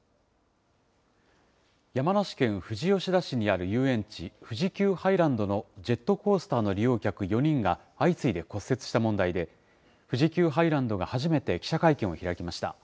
山梨県富士吉田市にある遊園地、富士急ハイランドのジェットコースターの利用客４人が相次いで骨折した問題で、富士急ハイランドが初めて記者会見を開きました。